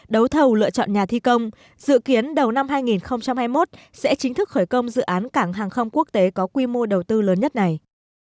đầu năm hai nghìn hai mươi một sẽ chính thức khởi công dự án cảng hàng không quốc tế có quy mô đầu tư lớn nhất này